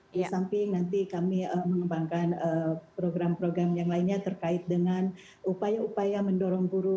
di samping nanti kami mengembangkan program program yang lainnya terkait dengan upaya upaya mendorong guru